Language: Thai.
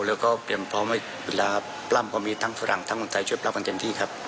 แล้วก็เตรียมพร้อมไว้เวลาปล้ำก็มีทั้งฝรั่งทั้งเมืองไทยช่วยปรับกันเต็มที่ครับ